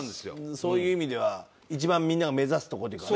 そういう意味では一番みんなが目指すとこっていうかね。